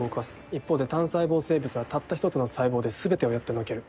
一方で単細胞生物はたった１つの細胞ですべてをやってのける。